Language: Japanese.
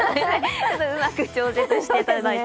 うまく調節していただいて。